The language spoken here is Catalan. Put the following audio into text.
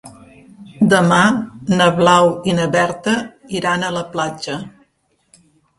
Demà na Blau i na Berta iran a la platja.